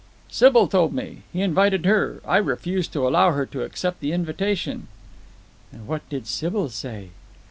"Sybil told me. He invited her. I refused to allow her to accept the invitation." "And what did Sybil say?"